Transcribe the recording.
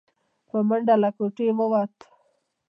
په منډه له کوټې ووت.